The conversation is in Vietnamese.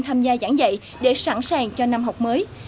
tham gia giảng dạy để sẵn sàng cho năm học mới